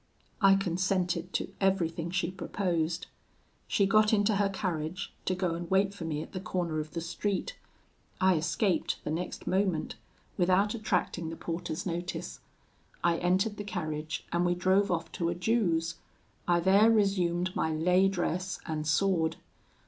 I consented to everything she proposed. She got into her carriage to go and wait for me at the corner of the street. I escaped the next moment, without attracting the porter's notice. I entered the carriage, and we drove off to a Jew's. I there resumed my lay dress and sword.